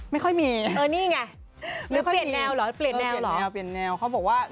ไม่ค่อยมีค่ะเปลี่ยนแนวเหรอเปลี่ยนแนวเค้าบอกว่า